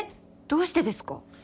どうしてですか？